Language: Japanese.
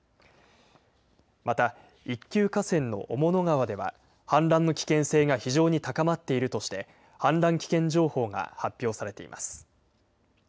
また、一級河川の雄物川では氾濫の危険性が非常に高まっているとして氾濫危険情報が発表されています。